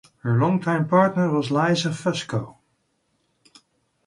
Her longtime partner was Lisa Fusco.